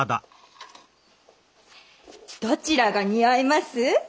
どちらが似合います？